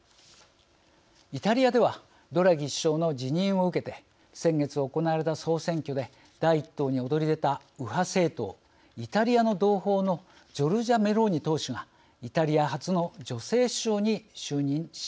イタリアではドラギ首相の辞任を受けて先月行われた総選挙で第１党に躍り出た右派政党、イタリアの同胞のジョルジャ・メローニ党首がイタリア初の女性首相に就任。